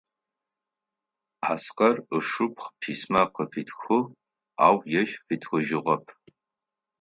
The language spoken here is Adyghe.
Аскэр ышыпхъу письма къыфитхыгъ, ау ежь фитхыжьыгъэп.